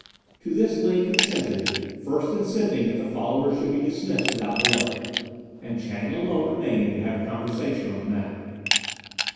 To this Ling consented, first insisting that the followers should be dismissed without delay, and Chang alone remain to have conversation on the matter.